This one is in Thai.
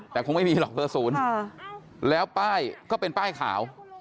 แต่คงไม่มีหรอกเบอร์๐แล้วป้ายก็เป็นป้ายขาว